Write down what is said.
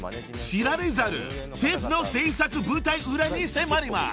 知られざるＴＩＦの制作舞台裏に迫ります］